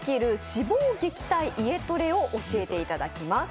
脂肪撃退家トレを教えていただきます。